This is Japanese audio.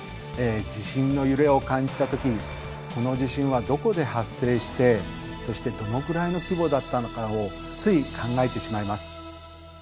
地震の揺れを感じた時この地震はどこで発生してそしてどのくらいの規模だったのかをつい考えてしまいます。